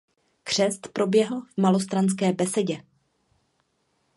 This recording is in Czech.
Křest proběhl v Malostranské besedě.